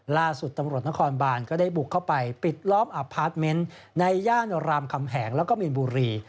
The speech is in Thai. ล่าสุดตำรวจนครบานก็ได้บุกเข้าไปปิดล้อมอับพาร์ทเมนต์ในย่านรามคำแหงแล้วก็มีนบุรี